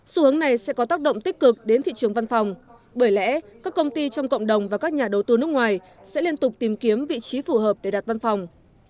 xu hướng này sẽ có tác động tích cực đến thị trường văn phòng bởi lẽ các công ty trong cộng đồng và các nhà đầu tư nước ngoài sẽ liên tục tìm kiếm vị trí phù hợp để đặt văn phòng